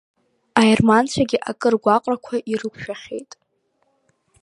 Аерманцәагьы акыр агәаҟрақәа ирықәшәахьеит…